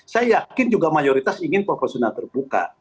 saya yakin juga mayoritas ingin proporsional terbuka